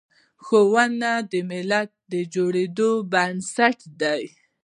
ښوونه د ملت د جوړیدو بنسټ دی.